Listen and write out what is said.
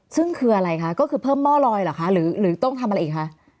ซึ่งคืออะไรคะก็คือเพิ่มหม้อลอยเหรอคะหรือต้องทำอะไรอีกคะ